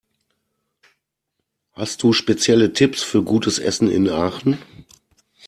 Hast du spezielle Tipps für gutes Essen in Aachen?